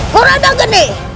kurang dengar ini